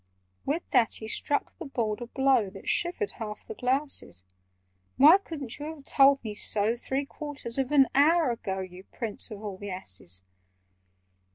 With that he struck the board a blow That shivered half the glasses. "Why couldn't you have told me so Three quarters of an hour ago, You prince of all the asses?